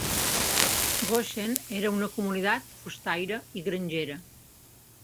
Goshen era una comunitat fustaire i grangera.